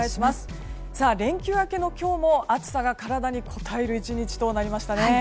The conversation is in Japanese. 連休明けの今日も暑さが体にこたえる１日となりましたね。